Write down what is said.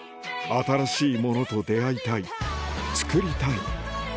新しいものと出あいたい作りたい